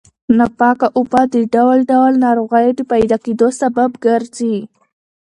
ناپاکه اوبه د ډول ډول ناروغیو د پیدا کېدو سبب ګرځي.